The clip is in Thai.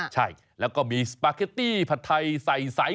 ใช่แล้วก็มีสปาเกตตี้ผัดไทยใส่ไซส์